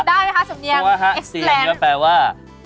เซียนหวาฮะเซียนก็แปลว่า